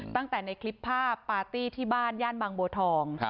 ตั้งแต่ในคลิปภาพปาร์ตี้ที่บ้านย่านบางบัวทอง